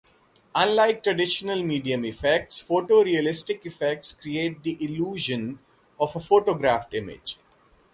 Unlike traditional medium effects, photorealistic effects create the illusion of a photographed image.